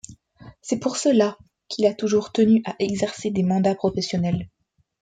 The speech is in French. C'est pour cela qu'il a toujours tenu à exercer des mandats professionnels.